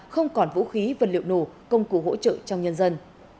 không còn vũ khí vật liệu nổ công cụ hỗ trợ trong nhân dân